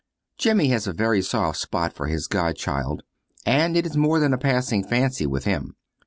Jimmy has a very soft spot for his godchild, and it is more than a passing fancy with him.